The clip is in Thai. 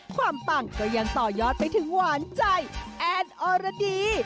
กลับไปถึงหวานใจแอนด์โอราดี